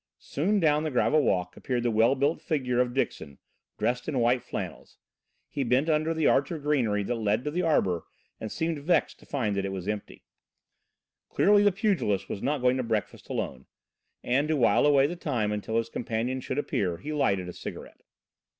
Soon down the gravel walk appeared the well built figure of Dixon, dressed in white flannels. He bent under the arch of greenery that led to the arbour, and seemed vexed to find that it was empty. Clearly the pugilist was not going to breakfast alone and, to while away the time until his companion should appear, he lighted a cigarette.